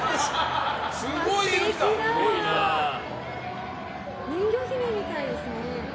すごいの来た！人魚姫みたいですね。